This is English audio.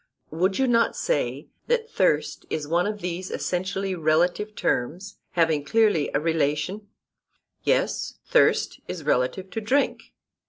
Would you not say that thirst is one of these essentially relative terms, having clearly a relation— Yes, thirst is relative to drink.